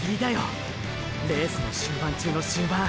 レースも終盤中の終盤！！